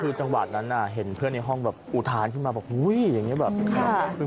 คือจังหวะนั้นเห็นเพื่อนในห้องแบบอุทานขึ้นมาบอกอุ้ยอย่างนี้แบบ